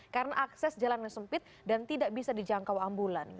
karena akses jalan yang sempit dan tidak bisa dijangkau ambulan